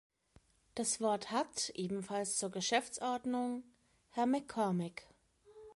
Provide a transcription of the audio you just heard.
Das Wort hat, ebenfalls zur Geschäftsordnung, Herr MacCormick.